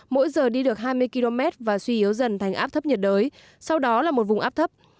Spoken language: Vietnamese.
ngược hai mươi km và suy yếu dần thành áp thấp nhiệt đới sau đó là một vùng áp thấp